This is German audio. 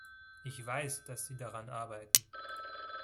Ich weiß, dass Sie daran arbeiten.